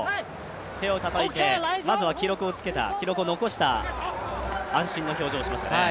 手をたたいて、まずは記録をつけた記録を残した安心の表情をしましたね。